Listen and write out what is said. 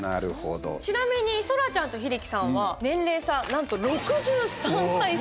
ちなみに、そらちゃんと英樹さんは年齢差なんと６３歳差。